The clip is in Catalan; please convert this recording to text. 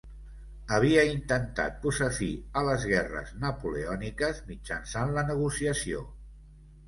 Havia intentat posar fi a les guerres napoleòniques mitjançant la negociació.